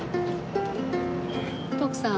徳さん？